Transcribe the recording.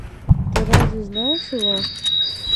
Ты разве знаешь его?